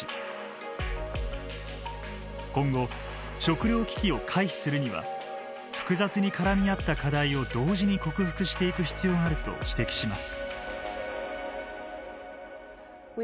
今後食料危機を回避するには複雑に絡み合った課題を同時に克服していく必要があると指摘します。